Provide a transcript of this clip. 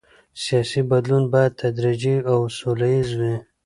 سیاسي بدلون باید تدریجي او سوله ییز وي